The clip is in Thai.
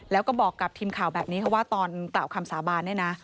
แล้วก็บอกกับทีมข่าวแบบนี้ค่ะว่าตอนกล่าวคำสาบานเนี่ยนะ